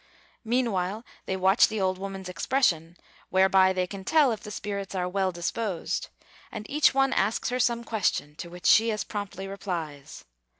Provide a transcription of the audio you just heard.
Meanwhile, they watch the old woman's expression, whereby they can tell if the spirits are well disposed; and each one asks her some question, to which she as promptly replies.